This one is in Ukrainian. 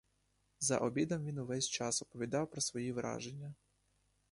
За обідом він увесь час оповідав про свої враження.